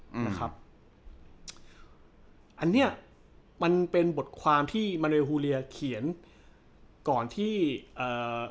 อืมนะครับอันเนี้ยมันเป็นบทความที่มาเลฮูเลียเขียนก่อนที่เอ่อ